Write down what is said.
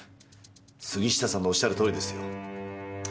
杉下さんのおっしゃるとおりですよ。